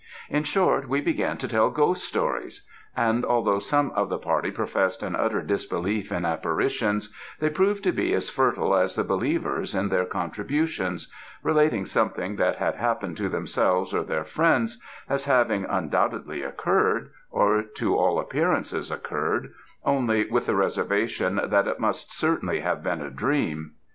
In short, we began to tell ghost stories; and although some of the party professed an utter disbelief in apparitions, they proved to be as fertile as the believers in their contributions relating something that had happened to themselves or their friends, as having undoubtedly occurred, or to all appearance, occurred only, with the reservation, that it must certainly have been a dream.